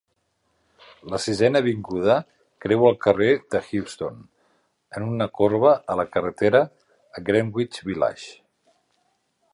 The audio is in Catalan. La Sisena avinguda creua el carrer de Houston en una corba a la carretera a Greenwich Village.